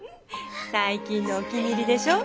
最近のお気に入りでしょ